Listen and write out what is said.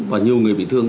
và nhiều người bị thương